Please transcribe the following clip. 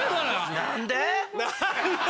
何で？